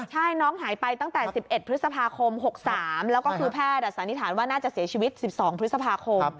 ใช่น้องหายไปตั้งแต่๑๑พฤษภาคม๖๓แล้วก็คือแพทย์สันนิษฐานว่าน่าจะเสียชีวิต๑๒พฤษภาคม